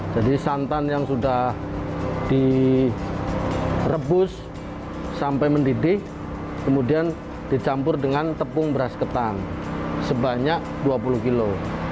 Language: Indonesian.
jadi santan yang sudah direbus sampai mendidih kemudian dicampur dengan tepung beras ketan sebanyak dua puluh kilo